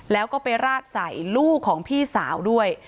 แล้วก็ไปราดใส่ลูกของพี่สาวด้วย